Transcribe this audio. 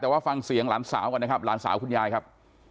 แต่ว่าฟังเสียงหลานสาวก่อนนะครับหลานสาวคุณยายครับ